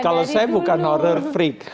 kalau saya bukan horror free